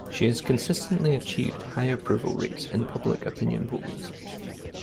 She has consistently achieved high approval rates in public opinion polls.